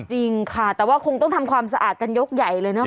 จริงค่ะแต่ว่าคงต้องทำความสะอาดกันยกใหญ่เลยเนอ